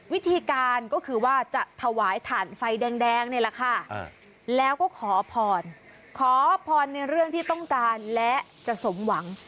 วิธีการก็คือว่าจะถวายถ่านไฟแดงนี่แหละค่ะแล้วก็ขอพรขอพรในเรื่องที่ต้องการและจะสมหวัง